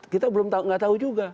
kita belum tahu nggak tahu juga